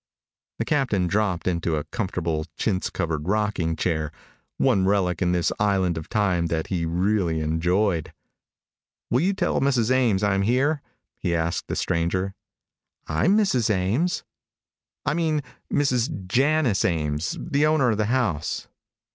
The captain dropped into a comfortable, chintz covered rocking chair one relic in this island of time that he really enjoyed. "Will you tell Mrs. Ames I'm here?" he asked the stranger. "I'm Mrs. Ames." "I mean Mrs. Janice Ames the owner of the house."